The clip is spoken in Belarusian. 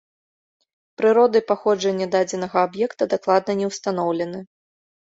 Прырода і паходжанне дадзенага аб'екта дакладна не ўстаноўлены.